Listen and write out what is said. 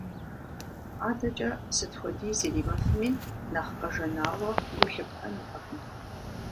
АдэкӀэ сыт хуэдиз иримыфми, нэхъ къэжанауэ гу лъыптэнутэкъым.